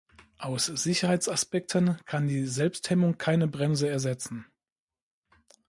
Aus Sicherheitsaspekten kann die Selbsthemmung keine Bremse ersetzen.